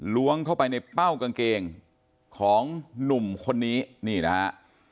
ล้วงเข้าไปในเป้ากางเกงของหนุ่มคนนี้นี่นะฮะ